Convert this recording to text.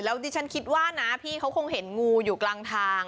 ดิฉันคิดว่านะพี่เขาคงเห็นงูอยู่กลางทาง